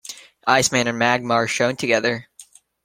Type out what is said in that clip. Iceman and Magma are shown together.